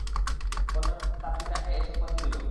কন্যা তার পিতাকে এ সংবাদটি দিল।